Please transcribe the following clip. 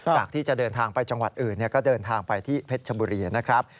จากที่จะเดินทางไปจังหวัดอื่นก็เดินทางไปที่เพชรชบุรีนะครับ